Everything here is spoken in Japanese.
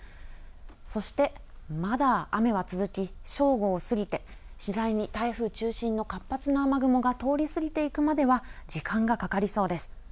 そして、まだ雨は続き、正午を過ぎて、次第に台風中心の活発な雨雲が通り過ぎていくまでは時間がかかりそうです。